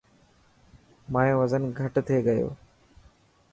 مايو وزن گهٽ ٿي گيو.